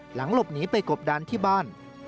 หลังหลบหนีไปกบดันที่บ้าน